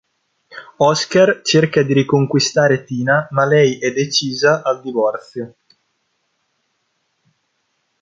Oskar cerca di riconquistare Tina ma lei è decisa al divorzio.